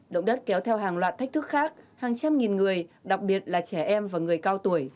động đất kéo theo hàng loạt thách thức khác hàng trăm nghìn người đặc biệt là trẻ em và người cao tuổi